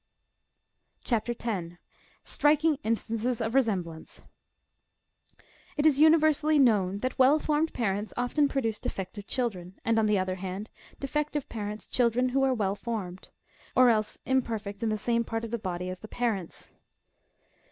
^^ CHAP. 10. STEIZIXG INSTANCES OF EESEXBLANCE. It is universally known that well formed parents often pro duce defective children; and on the other hand, defective parents children who are well formed, or else imperfect in the same part of the body as the parents.